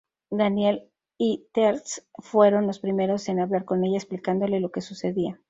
Daniel y Teal'c fueron los primeros en hablar con ella, explicándole lo que sucedía.